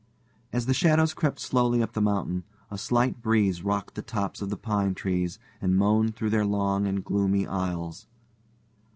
As the shadows crept slowly up the mountain, a slight breeze rocked the tops of the pine trees, and moaned through their long and gloomy aisles.